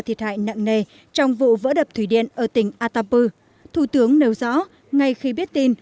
thiệt hại nặng nề trong vụ vỡ đập thủy điện ở tỉnh atapu thủ tướng nêu rõ ngay khi biết tin